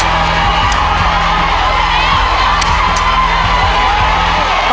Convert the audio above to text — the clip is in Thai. ต้องเร็วเลยแม่เรียบไปเลยครับ